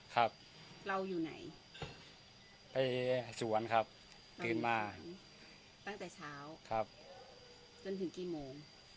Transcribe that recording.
ครับเราอยู่ไหนไปสวนครับตื่นมาตั้งแต่เช้าครับจนถึงกี่โมง